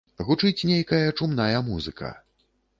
Гучыць нейкая чумная музыка.